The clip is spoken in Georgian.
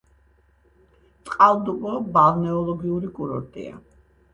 წყალტუბო ბალნეოლოგიური კურორტია